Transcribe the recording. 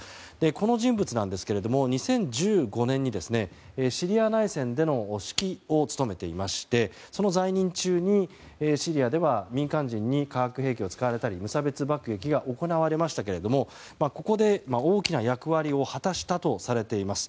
この人物ですが２０１５年にシリア内戦での指揮を務めていましてその在任中にシリアでは民間人に化学兵器を使ったり無差別爆撃が行われましたがここで大きな役割を果たしたとされています。